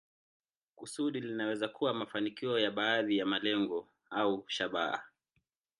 Kusudi linaweza kuwa mafanikio ya baadhi ya malengo au shabaha.